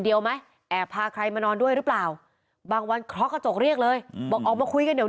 เดียวไหมแอบพาใครมานอนด้วยหรือเปล่าบางวันเคาะกระจกเรียกเลยบอกออกมาคุยกันเดี๋ยว